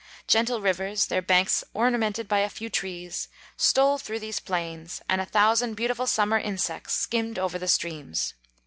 Gentle rivers, their banks ornamented by a few trees, stole through these plains, and a thousand beautiful summer insects skimmed over the streams.